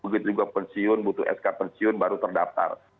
begitu juga pensiun butuh sk pensiun baru terdaftar